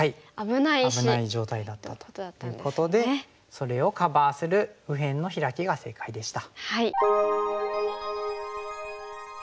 危ない状態だったということでそれをカバーする右辺のヒラキが正解でした。